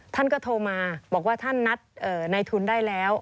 ท่านก็โทรมาบอกว่าท่านนัดในทุนได้แล้ว